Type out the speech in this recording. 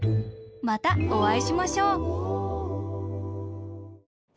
またおあいしましょう。